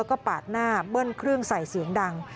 แล้วก็ปาดหน้าเบิ้ลเครื่องใส่เสียงดัง